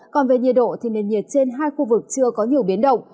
còn về nhiệt độ thì nền nhiệt trên hai khu vực chưa có nhiều biến động